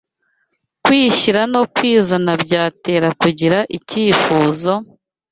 kwishyira no kwizana byatera kugira icyifuzo,